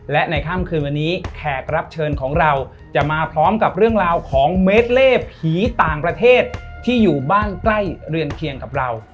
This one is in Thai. และในค่ำคืนวันนี้แขกรับเชิญของเราจะมาพร้อมกับเรื่องราวของเมดเล่ผีต่างประเทศที่อยู่บ้านใกล้เรือนเคียงกับเรา